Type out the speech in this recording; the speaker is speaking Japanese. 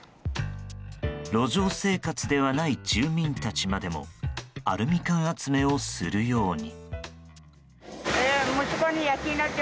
路上生活ではない住民たちまでもアルミ缶集めをするように。